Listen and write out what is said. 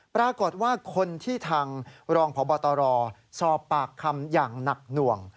ปรากฏว่าคนที่ทางรองพบตรสอบปากคำอย่างหนักหน่วง